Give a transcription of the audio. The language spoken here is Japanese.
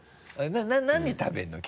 何食べるの？